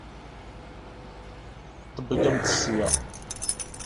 Ṭebbgemt sya!